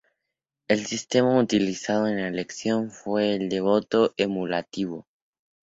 El sistema utilizado en la elección fue el de "voto acumulativo".